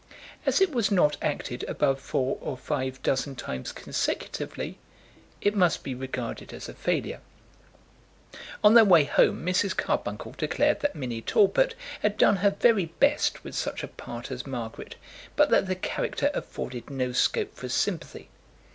As it was not acted above four or five dozen times consecutively, it must be regarded as a failure. On their way home Mrs. Carbuncle declared that Minnie Talbot had done her very best with such a part as Margaret, but that the character afforded no scope for sympathy.